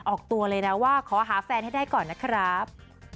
ออกตัวเลยนะว่าขอหาแฟนให้ได้ก่อนนะครับ